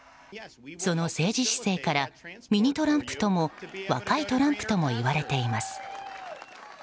その政治姿勢からミニトランプとも若いトランプともいわれています。